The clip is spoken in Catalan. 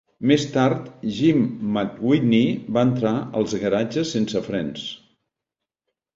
Més tard, Jim McWithey va entrar als garatges sense frens.